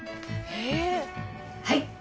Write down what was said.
はい。